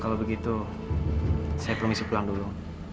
kalau begitu saya permisi pulang dulu